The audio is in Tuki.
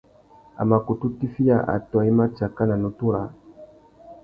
A mà kutu tiffiya atōh i mà tsaka nà nutu râā.